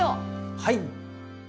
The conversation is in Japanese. はい！